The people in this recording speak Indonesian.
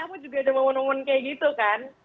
pasti kamu juga ada momen momen kayak gitu kan